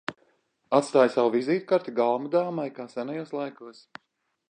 Atstāja savu vizītkarti galma dāmai, kā senajos laikos?